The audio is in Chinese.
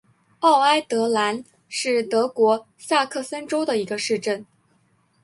奥埃德兰是德国萨克森州的一个市镇。